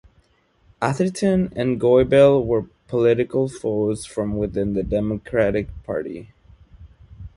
Atherton and Goebel were political foes from within the democratic party.